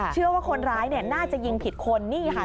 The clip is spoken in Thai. เชื่อว่าคนร้ายเนี่ยน่าจะยิงผิดคนนี่ค่ะ